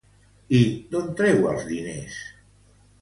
I d'on treu els diners?